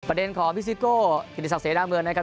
ประเด็นของพี่ซิโก่พิธีศักดิ์เสร็จหน้าเมืองนะครับ